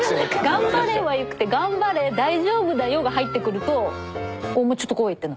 頑張れは良くて頑張れ大丈夫だよが入ってくるとお前ちょっと来いって。